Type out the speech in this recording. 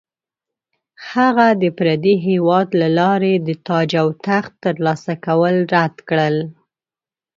هغه د پردي هیواد له لارې د تاج او تخت ترلاسه کول رد کړل.